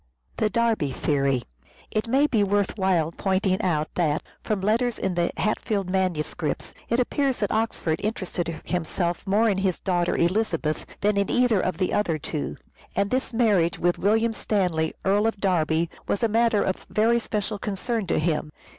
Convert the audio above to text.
The Derby It may be worth while pointing out that, from letters in the Hatfield Manuscripts, it appears that Oxford interested himself more in his daughter Elizabeth than in either of the other two, and this marriage with William Stanley, Earl of Derby, was a matter of very special concern to him.